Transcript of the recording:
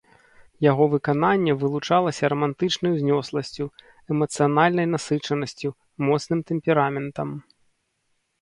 Яго выкананне вылучалася рамантычнай узнёсласцю, эмацыянальнай насычанасцю, моцным тэмпераментам.